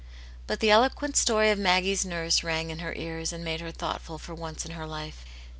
But the eloquent story of Maggie's nurse rang in her ears, and made her thoughtful for once in her life.